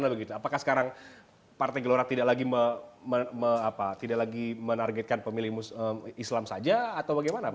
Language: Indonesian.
apakah sekarang partai gelora tidak lagi menargetkan pemilih islam saja atau bagaimana pak